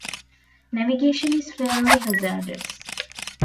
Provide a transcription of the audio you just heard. Navigation is fairly hazardous.